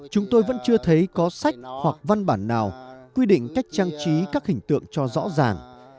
chúng tôi vẫn chưa thấy có sách hoặc văn bản nào quy định cách trang trí các hình tượng cho rõ ràng